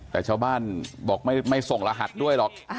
แต่ชาวบ้านบอกไม่ส่งรหัสด้วยหรอก